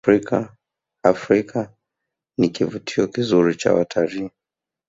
afrika ni kivutio kizuri cha wataliii